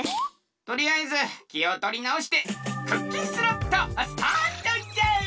とりあえずきをとりなおしてクッキンスロットスタートじゃ！